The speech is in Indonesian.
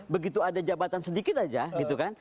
begitu ada jabatan sedikit aja gitu kan